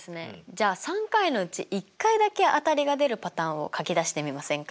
じゃあ３回のうち１回だけ当たりが出るパターンを書き出してみませんか？